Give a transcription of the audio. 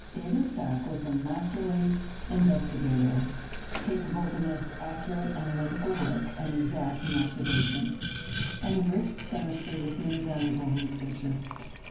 Gay Lussac was a masterly investigator, capable of the most accurate analytical work and exact in observation, and enriched chemistry with many valuable researches.